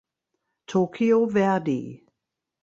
Tokyo Verdy